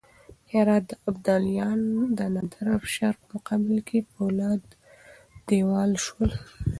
د هرات ابدالیان د نادرافشار په مقابل کې د فولادو دېوال شول.